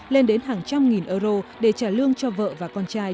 lên đến hàng trăm nghìn euro để trả lương cho vợ và con trai